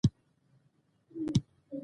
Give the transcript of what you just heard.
د غرمې ډوډۍ اکثره له کورنۍ سره خوړل کېږي